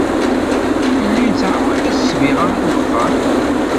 Yella yettɛawad-as ssbiɣa i wexxam.